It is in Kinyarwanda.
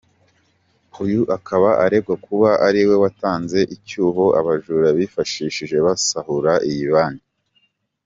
Uyu akaba aregwa kuba ari we watanze icyuho abajura bifashishije basahura iyi banki.